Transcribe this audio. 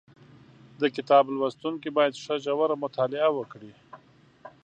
د کتاب لوستونکي باید ښه ژوره مطالعه وکړي